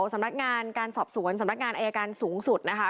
สำนักงานการสอบสวนสำนักงานอายการสูงสุดนะคะ